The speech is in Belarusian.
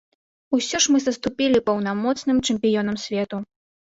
Усё ж мы саступілі паўнамоцным чэмпіёнам свету.